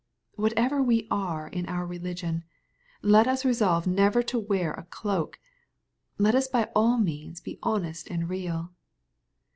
What ever we are in our religion, let us resolve never to wear a cloak. Let us by all means be honest and real.